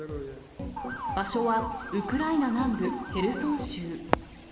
場所はウクライナ南部ヘルソン州。